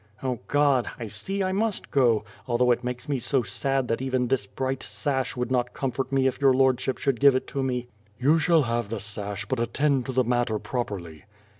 "Oh, God! I see I must go, although it makes me bo sad that even this bright sash would not comfort me if your lordship should give it to me/^ "You shall have the sash, but attend to the matter prop erly."